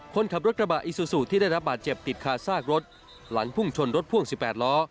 คนขับรถกระบะอิซูซูที่ได้รับบาดเจ็บติดคาซากรถหลังพุ่งชนรถพ่วง๑๘ล้อ